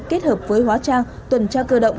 kết hợp với hóa trang tuần tra cơ động